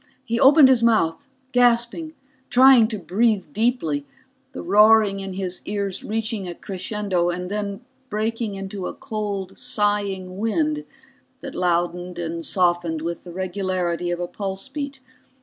He opened his mouth, gasping, trying to breathe deeply, the roaring in his ears reaching a crescendo and then breaking into a cold sighing wind that loudened and softened with the regularity of a pulse beat.